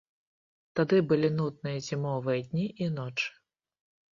Тады былі нудныя зімовыя дні і ночы.